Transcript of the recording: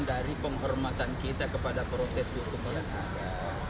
dari penghormatan kita kepada proses hukum yang ada